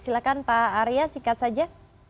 silahkan pak arya sikat saja